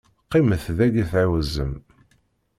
Qqimet dagi tɛiwzem.